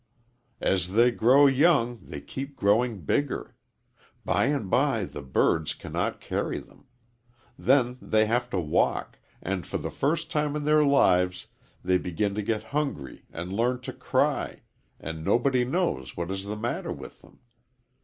"As they grow young they keep growing bigger. By and by the birds cannot carry them. Then they have to walk, and for the first time in their lives they begin to get hungry and learn to cry and nobody knows what is the matter with them.